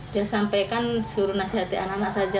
dia sampaikan suruh nasihati anak anak saja